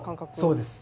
そうです。